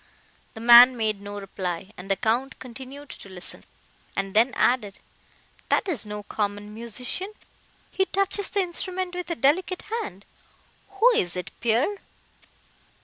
The man made no reply, and the Count continued to listen, and then added, "That is no common musician; he touches the instrument with a delicate hand; who is it, Pierre?"